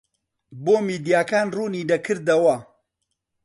بۆ میدیاکان ڕوونی دەکردەوە